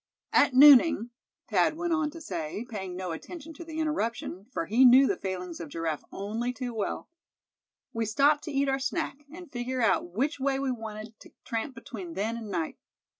"At nooning," Thad went on to say, paying no attention to the interruption, for he knew the failings of Giraffe only too well; "we stopped to eat our snack, and figure out which way we wanted to tramp between then and night.